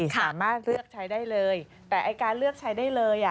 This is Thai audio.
สามารถเลือกใช้ได้เลยแต่ไอ้การเลือกใช้ได้เลย